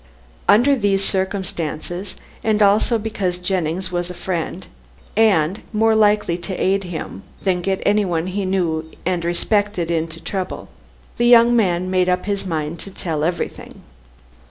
Under these circumstances, and also because Jennings was his friend and more likely to aid him, than get anyone he knew and respected into trouble, the young man made up his mind to tell everything.